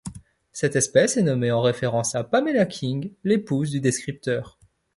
Cette espèce est nommée en référence à Pamela King, l'épouse du descripteur.